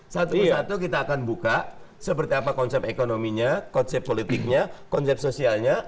satu persatu kita akan buka seperti apa konsep ekonominya konsep politiknya konsep sosialnya